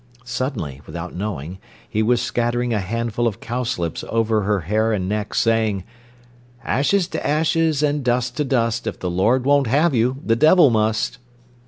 Suddenly, without knowing, he was scattering a handful of cowslips over her hair and neck, saying: "Ashes to ashes, and dust to dust, If the Lord won't have you the devil must."